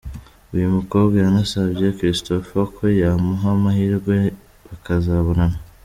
Uyu mukobwa yanasabye Christopher ko yamuha amahirwe bakazabonana.